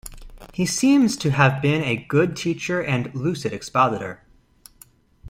He seems to have been a good teacher and lucid expositor.